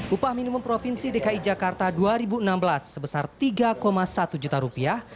upah minimum provinsi dki jakarta dua ribu enam belas sebesar tiga satu juta rupiah